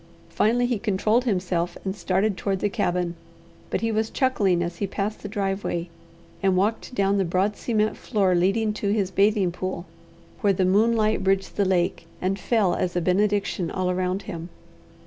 Finally he controlled himself and started toward the cabin; but he was chuckling as he passed the driveway, and walked down the broad cement floor leading to his bathing pool, where the moonlight bridged the lake, and fell as a benediction all around him.